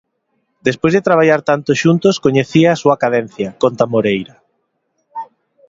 Despois de traballar tanto xuntos coñecía a súa cadencia, conta Moreira.